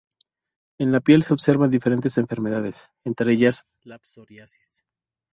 En la piel se observa en diferentes enfermedades, entre ellas la psoriasis.